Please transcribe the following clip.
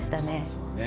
そうね。